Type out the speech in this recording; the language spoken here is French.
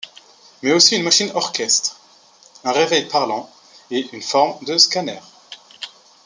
Mais aussi une machine orchestre, un réveil parlant et une forme de scanner.